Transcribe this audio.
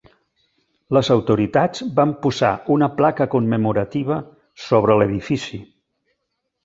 Les autoritats van posar una placa commemorativa sobre l'edifici.